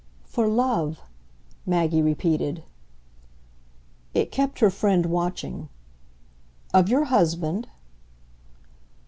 "For love," Maggie repeated. It kept her friend watching. "Of your husband?"